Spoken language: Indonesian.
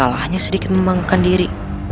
apa salahnya sedikit membanggakan diri